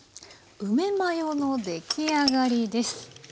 梅マヨの出来上がりです。